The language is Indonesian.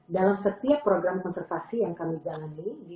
dalam setiap program konservasi yang kami jalani